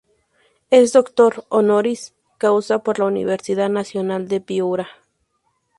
Es doctor honoris causa por la Universidad Nacional de Piura.